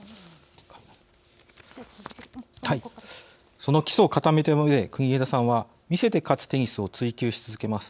その基礎を固めて国枝さんは“魅せて勝つ”テニスを追求し始めます。